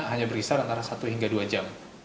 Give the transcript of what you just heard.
hanya berkisar antara satu hingga dua jam